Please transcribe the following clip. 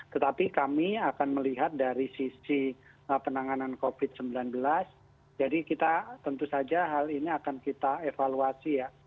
tetapi kami akan melihat dari sisi penanganan covid sembilan belas jadi kita tentu saja hal ini akan kita evaluasi ya